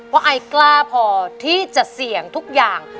ไอกล้าพอที่จะเสี่ยงทุกอย่าง